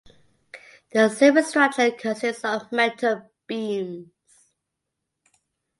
The superstructure consists of metal beams.